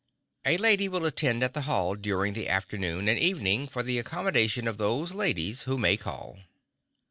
A lady will attend at the hall during the afternoon and evening for the accommodation of those ladies who may call.